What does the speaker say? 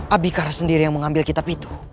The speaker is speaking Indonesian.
abicara sendiri yang mengambil kitab itu